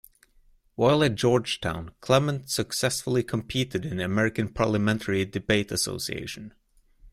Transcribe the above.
While at Georgetown, Clement successfully competed in the American Parliamentary Debate Association.